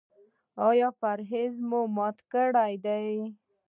ایا پرهیز مو مات کړی دی؟